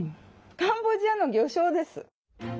カンボジアの魚しょうです。